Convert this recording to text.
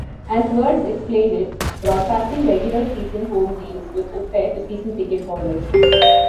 As Wirtz explained it, broadcasting regular-season home games was unfair to season-ticket holders.